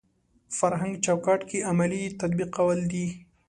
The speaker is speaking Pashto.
فرهنګ چوکاټ کې عملي تطبیقول دي.